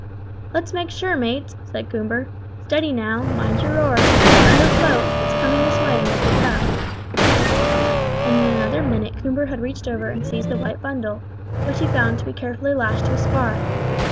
"Let's make sure, mates," said Coomber. "Steady, now; mind your oars; let her float; it's coming this way, and we'll pick it up;" and in another minute Coomber had reached over and seized the white bundle, which he found to be carefully lashed to a spar.